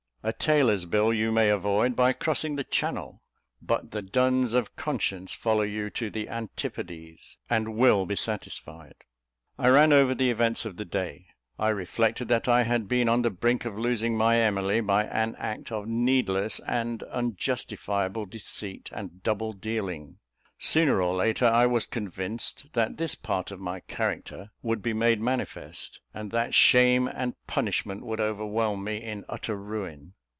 A tailor's bill you may avoid by crossing the channel; but the duns of conscience follow you to the antipodes, and will be satisfied. I ran over the events of the day; I reflected that I had been on the brink of losing my Emily by an act of needless and unjustifiable deceit and double dealing. Sooner or later I was convinced that this part of my character would be made manifest, and that shame and punishment would overwhelm me in utter ruin.